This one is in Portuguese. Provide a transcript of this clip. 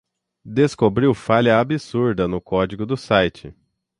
Descobriu falha absurda no código do site